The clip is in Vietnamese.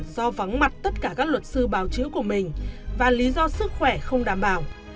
do vắng mặt tất cả các luật sư bào chữa của mình và lý do sức khỏe không đảm bảo